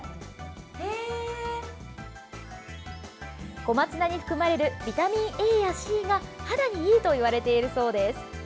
小松菜に含まれるビタミンＡやＣが肌にいいといわれているそうです。